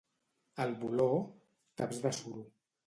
Al Voló, taps de suro.